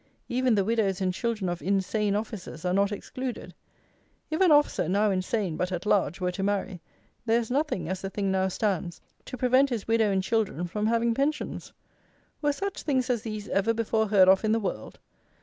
Even the widows and children of insane officers are not excluded. If an officer, now insane, but at large, were to marry, there is nothing, as the thing now stands, to prevent his widow and children from having pensions. Were such things as these ever before heard of in the world?